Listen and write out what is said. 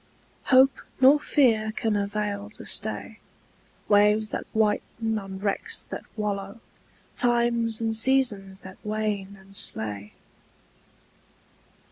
Hope nor fear can avail to stay Waves that whiten on wrecks that wallow, Times and seasons that wane and slay.